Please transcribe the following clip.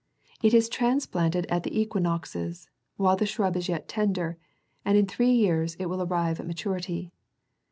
It is trans planted at the equinoxes, while the shrub is yet tender, and in three years it will arrive at maturity.